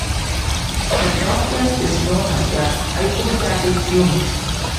That doctrine is known as the Hypostatic union.